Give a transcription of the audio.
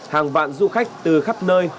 hàng vạn du khách từ khắp nơi